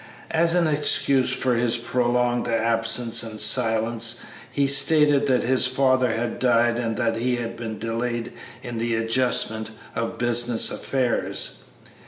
As an excuse for his prolonged absence and silence he stated that his father had died and that he had been delayed in the adjustment of business matters.